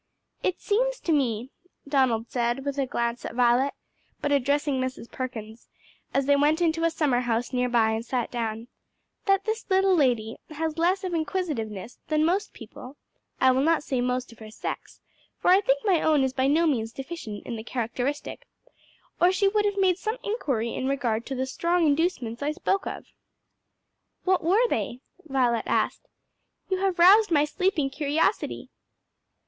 "It seems to me," Donald said, with a glance at Violet, but addressing Mrs. Perkins, as they went into a summer house near by and sat down, "that this little lady has less of inquisitiveness than most people (I will not say most of her sex, for I think my own is by no means deficient in the characteristic) or she would have made some inquiry in regard to the strong inducements I spoke of." "What were they?" Violet asked. "You have roused my sleeping curiosity."